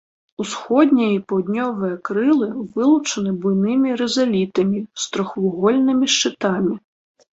Усходняе і паўднёвае крылы вылучаны буйнымі рызалітамі з трохвугольнымі шчытамі.